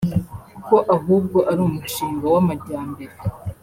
ko ahubwo ari umushinga w’amajyambere